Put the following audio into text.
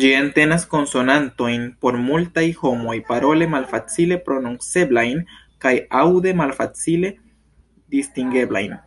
Ĝi entenas konsonantojn por multaj homoj parole malfacile prononceblajn kaj aŭde malfacile distingeblajn.